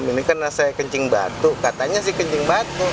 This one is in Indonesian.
ini karena saya kencing batu katanya sih kencing batu